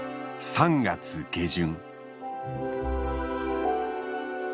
３月下旬。